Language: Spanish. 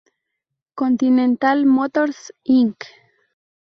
Continental Motors, Inc.